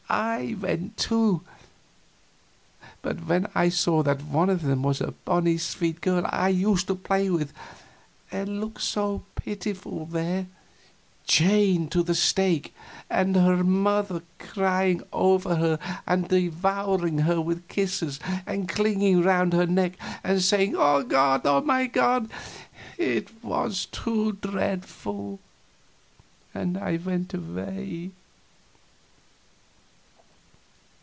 I went, too; but when I saw that one of them was a bonny, sweet girl I used to play with, and looked so pitiful there chained to the stake, and her mother crying over her and devouring her with kisses and clinging around her neck, and saying, "Oh, my God! oh, my God!" it was too dreadful, and I went away.